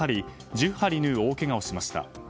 １０針縫う大けがをしました。